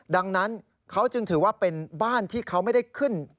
ดังนั้นเขาจึงถือว่าเป็นบ้านที่เขาไม่ได้ขึ้น